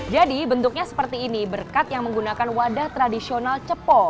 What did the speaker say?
jadi bentuknya seperti ini berkat yang menggunakan wadah tradisional cepo